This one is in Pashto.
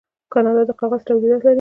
کاناډا د کاغذ تولیدات لري.